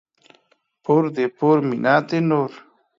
پور دي پور ، منت دي نور.